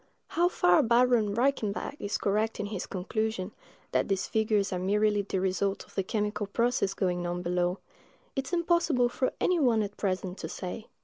How far Baron Reichenbach is correct in his conclusion, that these figures are merely the result of the chemical process going on below, it is impossible for any one at present to say.